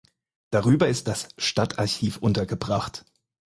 Darüber ist das Stadtarchiv untergebracht.